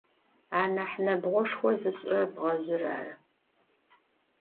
Anah nebğoşşxo zış'ırer bğezjır arı.